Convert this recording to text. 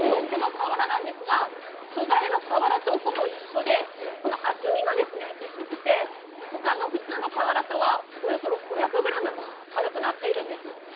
この瓦なんですが素材は瓦とほぼ一緒で厚みが薄くて、他の普通の瓦よりおよそ５００ｇも軽くなっているんです。